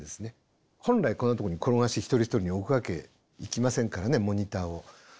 本来こんなところに転がし一人一人に置くわけいきませんからねモニターを。